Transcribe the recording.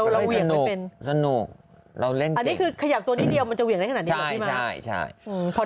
เล่นเก่งอันนี้คือขยับตัวนี้เดียวมันจะเหวี่ยงได้ขนาดนี้หรือพี่มั้ย